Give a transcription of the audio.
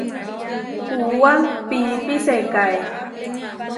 Puúa piípi sekáe.